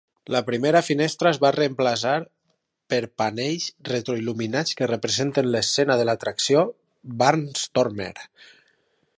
La primera finestra es va reemplaçar per panells retroiluminats que representen l'escena de l'atracció Barnstormer.